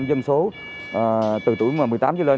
bảy mươi dân số và một trăm linh tuổi từ một mươi tám trở lên